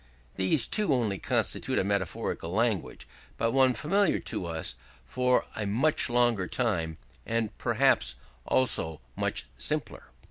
These too only constitute a metaphorical language, but one familiar to us for a much longer time, and perhaps also simpler."